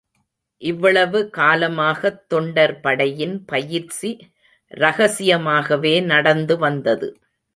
இவ்வளவு காலமாகத் தொண்டர்படையின் பயிற்சி ரகசியமாகவே நடந்து வந்தது.